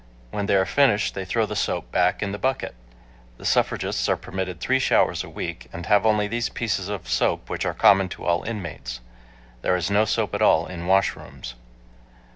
When they are finished they throw the soap back in the bucket. The suffragists are permitted three showers a week and have only these pieces of soap which are common to all inmates. There is no soap at all in wash rooms.